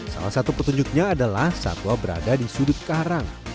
salah satu petunjuknya adalah satwa berada di sudut karang